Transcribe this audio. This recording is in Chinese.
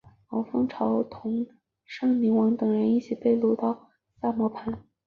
毛凤朝同尚宁王等人一起被掳到萨摩藩。